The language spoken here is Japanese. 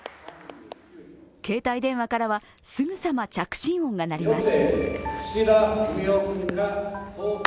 携帯電話からは、すぐさま着信音が鳴ります。